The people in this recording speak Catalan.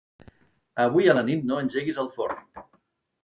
Avui a la nit no engeguis el forn.